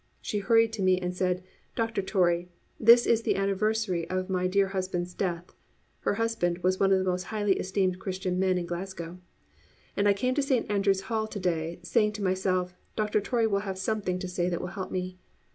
She hurried to me and said, "Doctor Torrey, this is the anniversary of my dear husband's death" (her husband was one of the most highly esteemed Christian men in Glasgow) "and I came to Saint Andrews Hall to day saying to myself, 'Doctor Torrey will have something to say that will help me.'